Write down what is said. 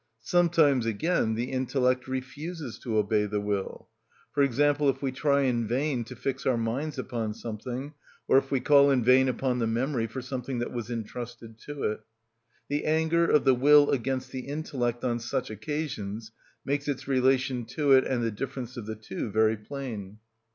Sometimes, again, the intellect refuses to obey the will; for example, if we try in vain to fix our minds upon something, or if we call in vain upon the memory for something that was intrusted to it. The anger of the will against the intellect on such occasions makes its relation to it and the difference of the two very plain.